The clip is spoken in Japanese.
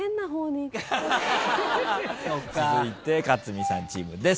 続いて克実さんチームです。